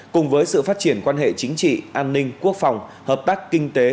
cùng với sự phát triển quan hệ chính trị an ninh quốc phòng hợp tác kinh tế